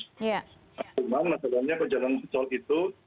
cuma masalahnya jalan tol itu